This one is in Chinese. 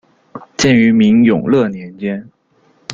建于明永乐年间。